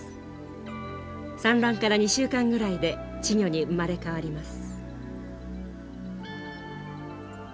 産卵から２週間ぐらいで稚魚に生まれ変わります。